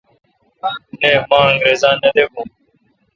نہ مہ انگرزا نہ دے بھو۔